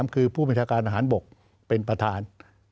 คือผู้บัญชาการทหารบกเป็นประธาน